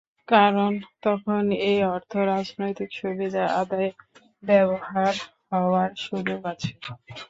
কারণ তখন এ অর্থ রাজনৈতিক সুবিধা আদায়ে ব্যবহার হওয়ার সুযোগ আছে।